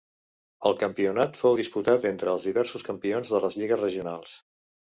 El campionat fou diputat entre els diversos campions de les lligues regionals.